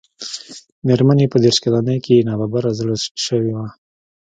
مېرمن يې په دېرش کلنۍ کې ناببره زړه شوې وه.